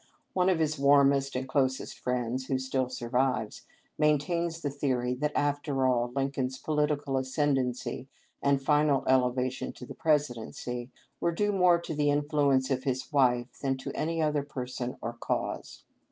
One of his warmest and closest friends, who still survives, maintains the theory that, after all, Lincoln's political ascendancy and final elevation to the Presidency were due more to the influence of his wife than to any other person or cause.